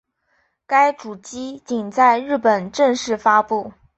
该主机仅在日本正式发布。